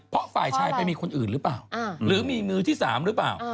เพราะฝ่ายชายไปมีคนอื่นหรือเปล่าหรือมีมือที่๓หรือเปล่า